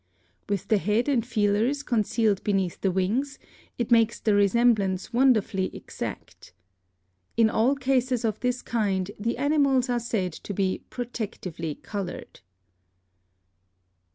With the head and feelers concealed beneath the wings, it makes the resemblance wonderfully exact. In all cases of this kind the animals are said to be protectively colored.